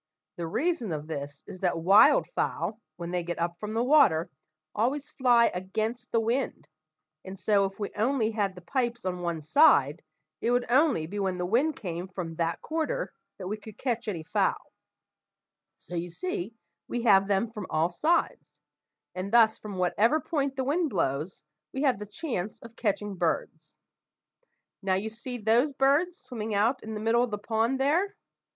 The reason of this is that wild fowl, when they get up from the water, always fly against the wind, and so, if we only had the pipes on one side, it would only be when the wind came from that quarter that we could catch any fowl; so you see we have them from all sides; and thus from whatever point the wind blows, we have the chance of catching birds. Now, you see those birds swimming out in the middle of the pond there?